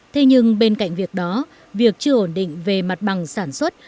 thế nhưng bên cạnh việc đó việc chưa ổn định về mặt bằng sản xuất